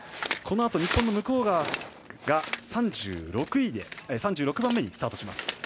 このあと、日本の向川が３６番目にスタートします。